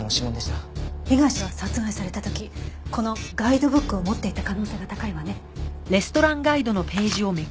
被害者は殺害された時このガイドブックを持っていた可能性が高いわね。